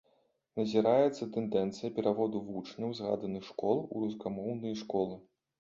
Назіраецца тэндэнцыя пераводу вучняў згаданых школ у рускамоўныя школы.